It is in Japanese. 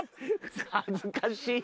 恥ずかしい！